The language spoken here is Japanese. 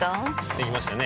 できましたね。